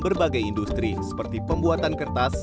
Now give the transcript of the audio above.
berbagai industri seperti pembuatan kertas